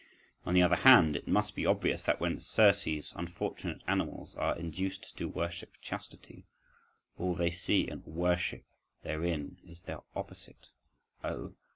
… On the other hand, it must be obvious, that when Circe's unfortunate animals are induced to worship chastity, all they see and worship therein, is their opposite—oh!